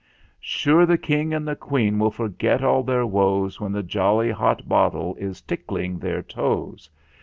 Sure the King and the Queen Will forget all their woes When the jolly hot bottle Is tickling their toes!